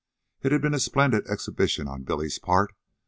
It had been a splendid exhibition on Billy's part.